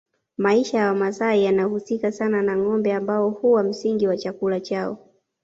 Maisha ya Wamasai yanahusika sana na ngombe ambao huwa msingi wa chakula chao